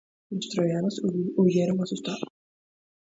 Los troyanos huyeron asustados.